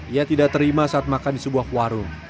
ia tidak terima saat makan di sebuah warung